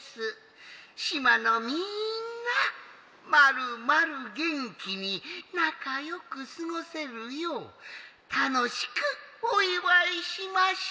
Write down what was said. しまのみんなまるまるげんきになかよくすごせるようたのしくおいわいしましょう。